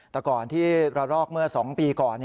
แต่ก่อนที่ระลอกเมื่อ๒ปีก่อน